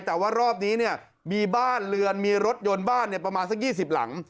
แต่ว่ารอบนี้เนี่ยมีบ้านเรือนมีรถยนต์บ้านประมาณสัก๒๐หลัง